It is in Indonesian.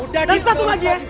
dan satu lagi ya